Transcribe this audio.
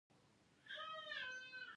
آیا دوی د الوتکو پرزې نه جوړوي؟